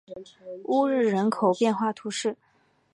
乌日人口变化图示